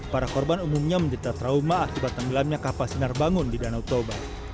para korban umumnya mendeta trauma akibat tenggelamnya kapal sinar bangun di danau toba